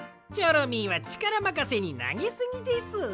チョロミーはちからまかせになげすぎです。